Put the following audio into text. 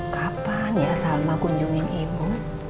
kapan ya salma kunjungin ibu